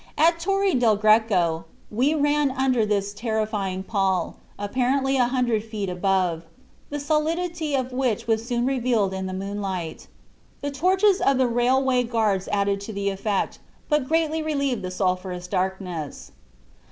At Torre del Greco we ran under this terrifying pall, apparently a hundred feet above, the solidity of which was soon revealed in the moonlight. The torches of the railway guards added to the effect, but greatly relieved the sulphurous darkness.